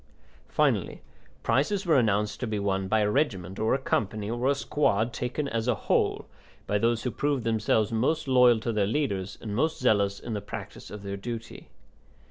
Finally prizes were announced to be won by a regiment or a company or a squad taken as a whole, by those who proved themselves most loyal to their leaders and most zealous in the practice of their duty.